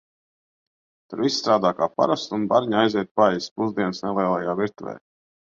Tur visi strādā kā parasti un bariņā aiziet paēst pusdienas nelielajā virtuvē.